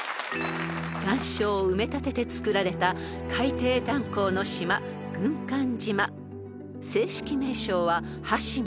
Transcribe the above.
［岩礁を埋め立ててつくられた海底炭坑の島軍艦島］［正式名称は端島］